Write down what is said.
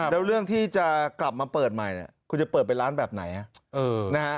แล้วเรื่องที่จะกลับมาเปิดใหม่คุณจะเปิดเป็นร้านแบบไหนนะฮะ